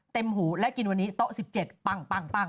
หูและกินวันนี้โต๊ะ๑๗ปั้ง